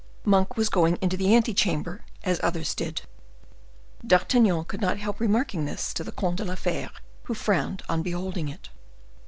Monk was going into the ante chamber as others did. D'Artagnan could not help remarking this to the Comte de la Fere, who frowned on beholding it.